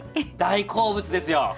大好物ですよ。